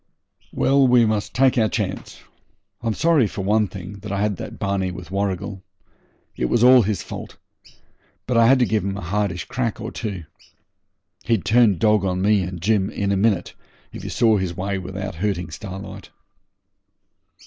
'Well, we must take our chance. I'm sorry, for one thing, that I had that barney with Warrigal. It was all his fault. But I had to give him a hardish crack or two. He'd turn dog on me and Jim, and in a minute, if he saw his way without hurting Starlight.'